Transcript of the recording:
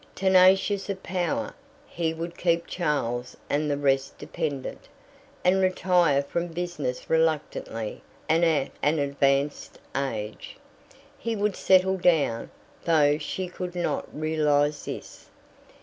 Tenacious of power, he would keep Charles and the rest dependent, and retire from business reluctantly and at an advanced age. He would settle down though she could not realize this.